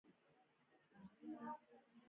افغانستان په انګور غني دی.